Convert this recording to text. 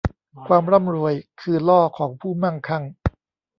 ความร่ำรวยคือล่อของผู้มั่งคั่ง